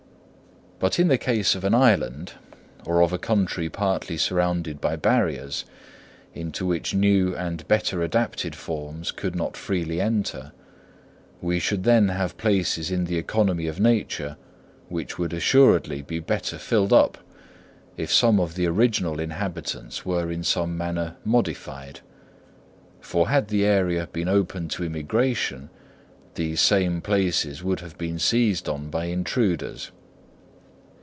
But in the case of an island, or of a country partly surrounded by barriers, into which new and better adapted forms could not freely enter, we should then have places in the economy of nature which would assuredly be better filled up if some of the original inhabitants were in some manner modified; for, had the area been open to immigration, these same places would have been seized on by intruders.